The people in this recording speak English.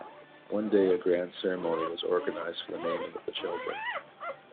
One day, a grand ceremony was organized for the naming of the children.